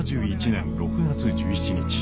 １９７１年６月１７日。